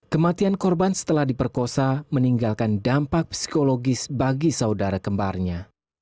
kematian korban setelah diperkosa meninggalkan dampak psikologis bagi saudara kembarnya